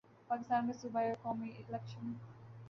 پاکستان میں صوبائی اور قومی الیکشن